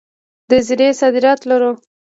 د زیرې صادرات لرو؟